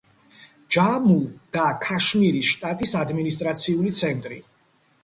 ჯამუ და ქაშმირის შტატის ადმინისტრაციული ცენტრი.